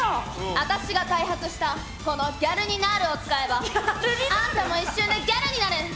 私が開発したこの「ギャルニナール」を使えばあんたも一瞬でギャルになる！